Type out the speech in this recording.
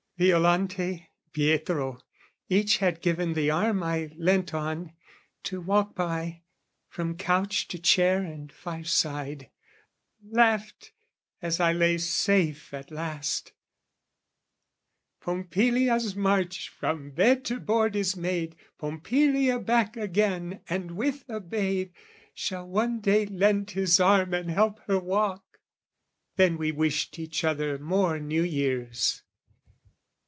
Violante, Pietro, each had given the arm I leant on, to walk by, from couch to chair And fireside, laughed, as I lay safe at last, "Pompilia's march from bed to board is made, "Pompilia back again and with a babe, "Shall one day lend his arm and help her walk!" Then we all wished each other more New Years.